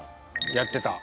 やってた。